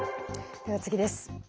では次です。